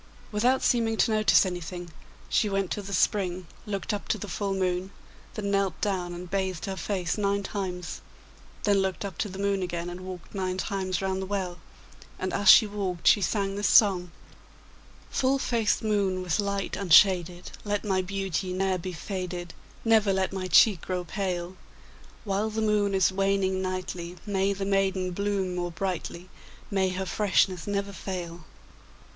Without seeming to notice anything, she went to the spring, looked up to the full moon, then knelt down and bathed her face nine times, then looked up to the moon again and walked nine times round the well, and as she walked she sang this song: 'Full faced moon with light unshaded, Let my beauty ne'er be faded. Never let my cheek grow pale! While the moon is waning nightly, May the maiden bloom more brightly, May her freshness never fail!